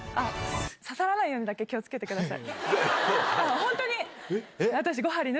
刺さらないようにだけ気をつけてください。